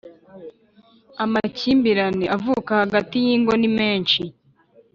Amakimbirane avuka hagati yingo ni menshi